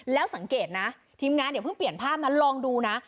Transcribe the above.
แล้วสังเกตนะทีมงานเดี๋ยวเพิ่งเปลี่ยนภาพมาลองดูนะ